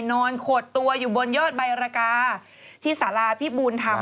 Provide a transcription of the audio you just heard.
ขดตัวอยู่บนยอดใบรกาที่สาราพิบูลธรรม